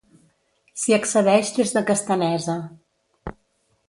S'hi accedeix des de Castanesa.